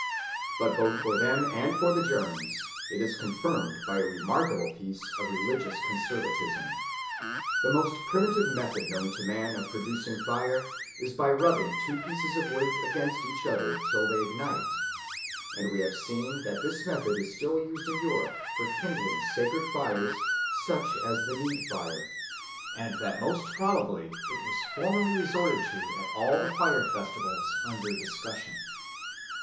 But both for them and for the Germans it is confirmed by a remarkable piece of religious conservatism. The most primitive method known to man of producing fire is by rubbing two pieces of wood against each other till they ignite; and we have seen that this method is still used in Europe for kindling sacred fires such as the need fire, and that most probably it was formerly resorted to at all the fire festivals under discussion.